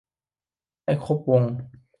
ไม่ครบวง